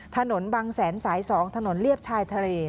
ถนนบางแสนสาย๒ถนนเลียบชายทะเล